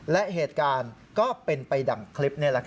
และเหตุการณ์ก็เป็นไปดังคลิปนี่แหละครับ